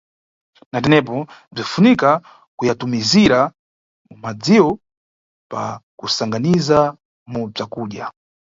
Na tenepo bzinifunika kuyatumikira mu madziyo pa kuyasanganiza mu bzakudya.